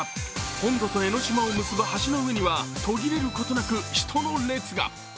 本土と江の島を結ぶ橋の上には途切れることなく人の列が。